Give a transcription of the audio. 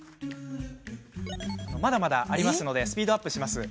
まだまだ、ありますのでスピードアップです。